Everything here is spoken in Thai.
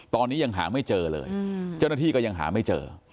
ตอนนี้ยังหาไม่เจอเลยเจ้าหน้าที่ก็ยังหาไม่เจอ